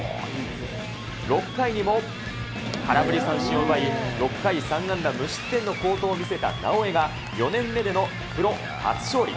６回にも空振り三振を奪い、６回３安打無失点の好投を見せた直江が、４年目でのプロ初勝利。